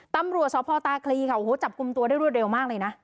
ตำรวจสพตาคลีค่ะโอ้โหจับกลุ่มตัวได้รวดเร็วมากเลยนะ